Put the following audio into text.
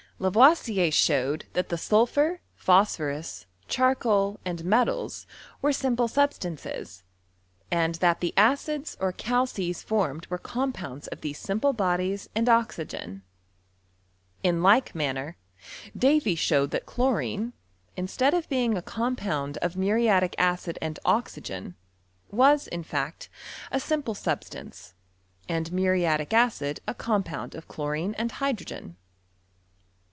Lavoisier showed that the sulphur, {ihoQ^horus, charcoal, and metals, were simple sub stances ; and that the acids Q€ cmlces formed wece tmnpounds of th6s6 simple bodies and oxygen. In i&e manner, Davy showed that chlorine, instead of a compound of muriatic acid and oxygen, m l^t, a simple substance, and muriatic acid a compound of chlorine and hydrogen.